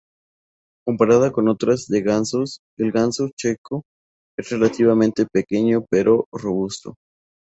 Comparada con otras razas de gansos, el ganso checo es relativamente pequeño pero robusto.